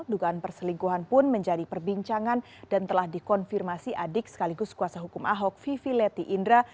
dugaan perselingkuhan pun menjadi perbincangan dan telah dikonfirmasi adik sekaligus kuasa hukum ahok vivi leti indra